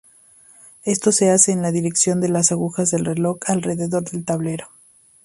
Esto se hace en la dirección de las agujas del reloj alrededor del tablero.